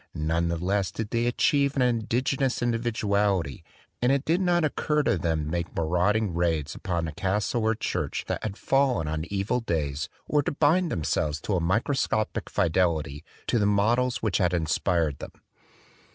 None the less did they achieve an indigenous individuality; and it did not oc cur to them to make marauding raids upon a castle or church that had fallen on evil days or to bind themselves to a microscopic fidelity to the models which had inspired them.